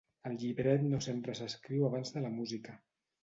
El llibret no sempre s'escriu abans de la música.